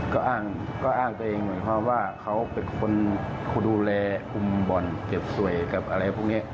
ก็อ้างตัวเองเหมือนเขาว่าเขาเป็นคนคุยดูแลอุ้มบ่อนเก็บสวยอะไรพวกนี้